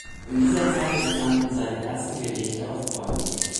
In dieser Zeit entstanden seine ersten Gedichte auf polnisch.